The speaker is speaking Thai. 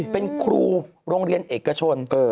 เป็นครูโรงเรียนเอกชน